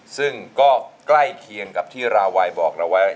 ซึ่งก็ใกล้เคียงกับที่ราวัยบอก